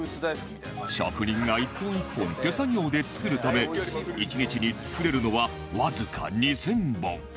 職人が１本１本手作業で作るため１日に作れるのはわずか２０００本